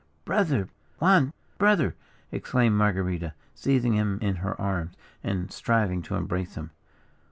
"Brother! Juan! brother!" exclaimed Marguerita, seizing him in her arms, and striving to embrace him.